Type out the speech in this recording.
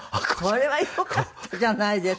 それはよかったじゃないですか。